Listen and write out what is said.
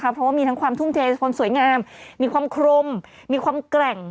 เพราะว่ามีทั้งความทุ่มเทความสวยงามมีความครมมีความแกร่ง